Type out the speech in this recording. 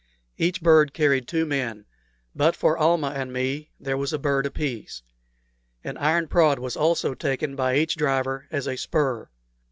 Each bird carried two men, but for Almah and me there was a bird apiece. An iron prod was also taken by each driver as a spur.